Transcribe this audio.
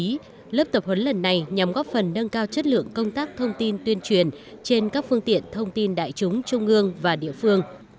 trong thời gian ba ngày lớp tập huấn lần này nhằm góp phần nâng cao chất lượng công tác thông tin tuyên truyền trên các phương tiện thông tin đại chúng trung ương và địa phương